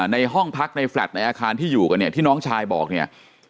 ในห้องพักในแฟลต์ในอาคารที่อยู่กันเนี่ยที่น้องชายบอกเนี่ย